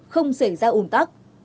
không xảy ra un tắc